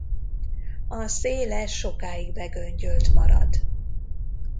A széle sokáig begöngyölt marad.